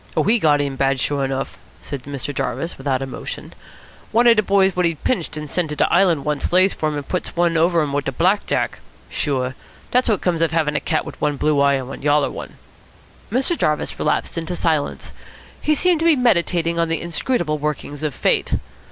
"Oh, he got in bad, sure enough," said Mr. Jarvis without emotion. "One of de boys what he'd pinched and had sent to de Island once lays for him and puts one over him wit a black jack. Sure. Dat's what comes of havin' a cat wit one blue eye and one yaller one." Mr. Jarvis relapsed into silence. He seemed to be meditating on the inscrutable workings of Fate.